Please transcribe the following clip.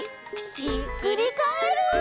ひっくりカエル！